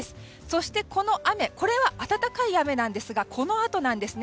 そしてこの雨、これは暖かい雨ですがこのあとです。